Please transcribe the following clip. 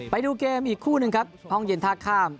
ไปดูเกมอีกคู่หนึ่งครับห้องเย็นท่าข้าม